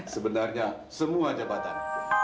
sebenarnya semua jabatan